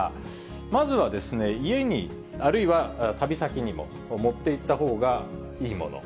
まずは家に、あるいは旅先にも持っていったほうがいいもの。